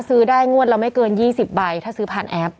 ซื้อได้งวดละไม่เกิน๒๐ใบถ้าซื้อผ่านแอป